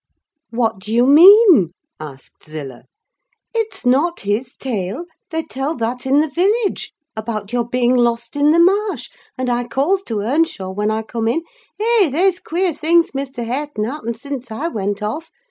"What do you mean?" asked Zillah. "It's not his tale: they tell that in the village—about your being lost in the marsh; and I calls to Earnshaw, when I come in—'Eh, they's queer things, Mr. Hareton, happened since I went off.